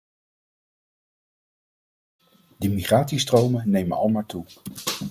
De migratiestromen nemen almaar toe.